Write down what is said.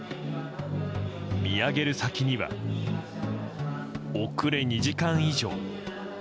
見上げる先には遅れ２時間以上。